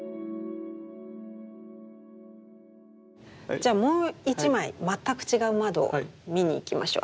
じゃあもう一枚全く違う窓見に行きましょう。